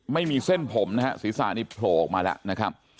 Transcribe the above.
ไม่มีเส้นผมนะฮะศีรษะนี่โผล่ออกมาแล้วนะครับ